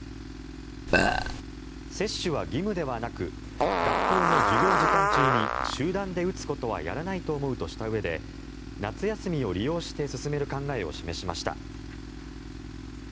接種は義務ではなく学校の授業時間中に集団で打つことはやらないと思うとしたうえで夏休みを利用して進める考えを示しました。